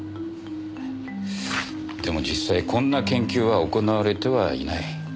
でも実際こんな研究は行われてはいない。